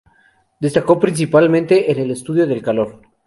Destacó principalmente en el estudio del calor.